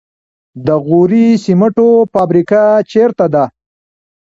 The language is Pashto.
د غوري سمنټو فابریکه چیرته ده؟